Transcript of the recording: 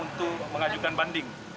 untuk mengajukan banding